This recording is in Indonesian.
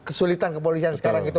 kesulitan kepolisian sekarang itu